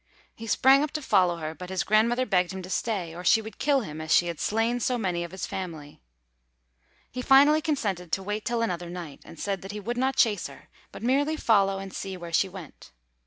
He sprang up to follow her; but his grandmother begged him to stay, or she would kill him as she had slain so many of his family. He finally consented to wait till another night, and said that he would not chase her, but merely follow and see where she went.